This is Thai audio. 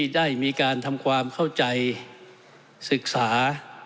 ได้มีการทำความเข้าใจศึกษา